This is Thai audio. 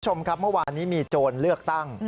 คุณผู้ชมครับเมื่อวานนี้มีโจรเลือกตั้ง